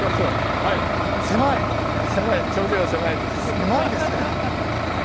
狭いですね！